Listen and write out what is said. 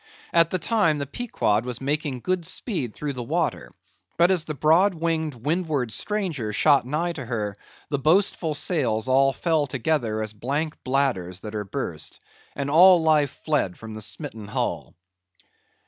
At the time the Pequod was making good speed through the water; but as the broad winged windward stranger shot nigh to her, the boastful sails all fell together as blank bladders that are burst, and all life fled from the smitten hull.